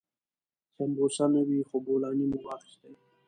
سمبوسې نه وې خو بولاني مو واخيستې.